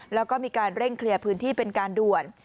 แล้วก็มีการเร่งเคลียร์พื้นที่เป็นการด่วน